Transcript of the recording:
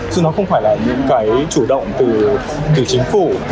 chứ nó không phải là những cái chủ động từ chính phủ